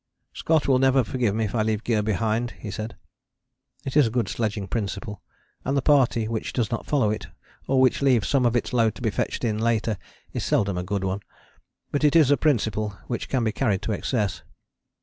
"Scott will never forgive me if I leave gear behind," he said. It is a good sledging principle, and the party which does not follow it, or which leaves some of its load to be fetched in later is seldom a good one: but it is a principle which can be carried to excess.